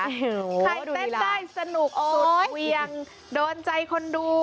ใครเต้นได้สนุกสุดเวียงโดนใจคนดู